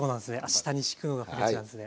下にしくのがフレンチなんですね。